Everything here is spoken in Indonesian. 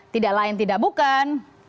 tidak lain tidak bukan